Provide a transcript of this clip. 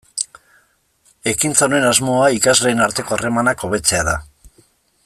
Ekintza honen asmoa ikasleen arteko harremanak hobetzea da.